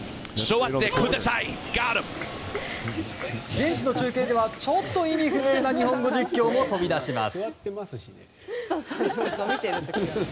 現地の中継ではちょっと意味不明な日本語実況も飛び出します。